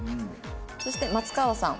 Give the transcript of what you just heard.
そして松川さん。